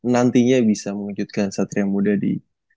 nantinya bisa mewujudkan satria muda di